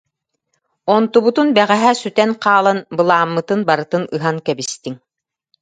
Онтубутун бэҕэһээ сүтэн хаалан, былааммытын барытын ыһан кэбистиҥ